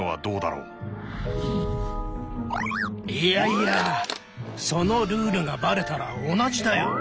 いやいやそのルールがバレたら同じだよ！